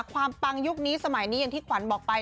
ปังยุคนี้สมัยนี้อย่างที่ขวัญบอกไป